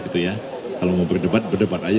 kalau mau berdebat berdebat aja